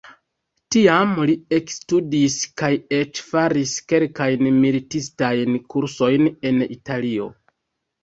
Tiam li ekstudis kaj eĉ faris kelkajn militistajn kursojn en Italio.